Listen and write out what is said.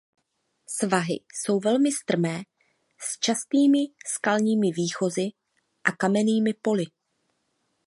Svahy jsou velmi strmé s častými skalními výchozy a kamennými poli.